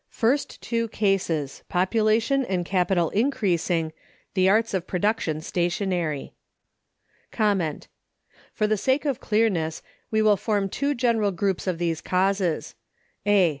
First two cases, Population and Capital increasing, the arts of production stationary. For the sake of clearness we will form two general groups of these causes: A.